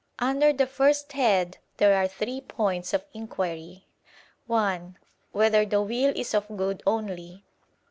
Under the first head there are three points of inquiry: (1) Whether the will is of good only?